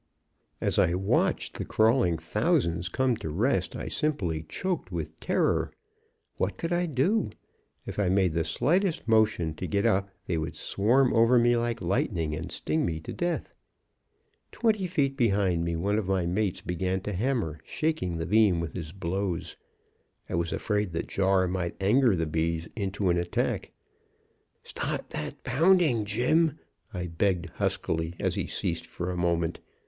"As I watched the crawling thousands come to rest, I simply choked with terror. What could I do? If I made the slightest motion to get up, they would swarm over me like lightning, and sting me to death. "Twenty feet behind me one of my mates began to hammer, shaking the beam with his blows. I was afraid the jar might anger the bees into an attack. "'Stop that pounding, Jim!' I begged huskily, as he ceased for a moment.